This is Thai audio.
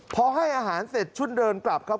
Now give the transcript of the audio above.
พอให้อาหารเสร็จชุดเดินกลับครับ